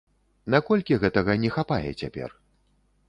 Наколькі гэтага не хапае цяпер?